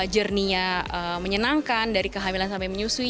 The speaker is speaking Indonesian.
jernihnya menyenangkan dari kehamilan sampai menyusui